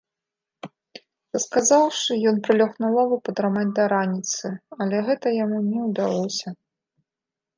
Расказаўшы, ён прылёг на лаву падрамаць да раніцы, але гэта яму не ўдалося.